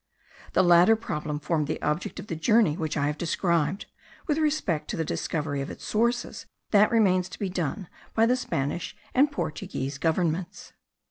The latter problem formed the object of the journey which I have described; with respect to the discovery of its sources, that remains to be done by the Spanish and Portuguese governments.